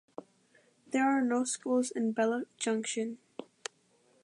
There are no schools in Bella Junction.